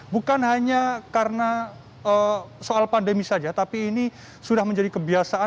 bukan hanya karena soal pandemi saja tapi ini sudah menjadi kebiasaan